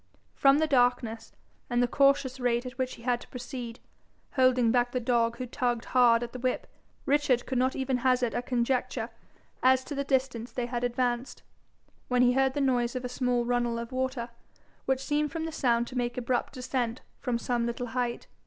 From the darkness, and the cautious rate at which he had to proceed, holding back the dog who tugged hard at the whip, Richard could not even hazard a conjecture as to the distance they had advanced, when he heard the noise of a small runnel of water, which seemed from the sound to make abrupt descent from some little height.